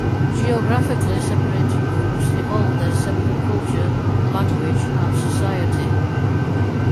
Geographically separated groups evolved their separate culture, language and society.